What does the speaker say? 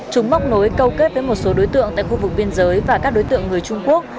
chúng móc nối câu kết với một số đối tượng tại khu vực biên giới và các đối tượng người trung quốc